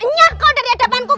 nyah kau dari hadapanku kau